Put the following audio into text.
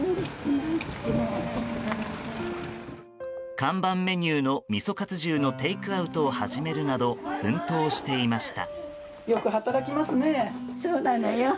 看板メニューのみそかつ重のテイクアウトを始めるなど奮闘していました。